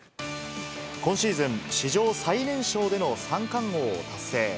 今シーズン、史上最年少での三冠王を達成。